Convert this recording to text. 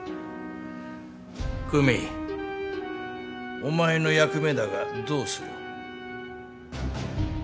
久美お前の役目だがどうする？